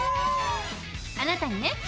あなたにね